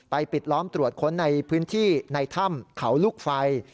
ปิดล้อมตรวจค้นในพื้นที่ในถ้ำเขาลูกไฟ